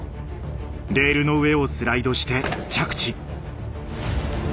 レールの上をスライドして着地。